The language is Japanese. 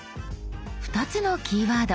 ２つのキーワード。